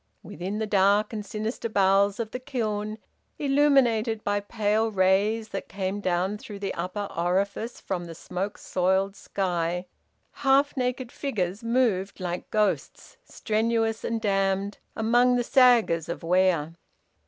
Within the dark and sinister bowels of the kiln, illuminated by pale rays that came down through the upper orifice from the smoke soiled sky, half naked figures moved like ghosts, strenuous and damned, among the saggers of ware.